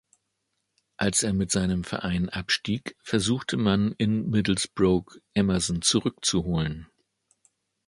Als er mit seinem Verein abstieg, versuchte man in Middlesbrough, Emerson zurückzuholen.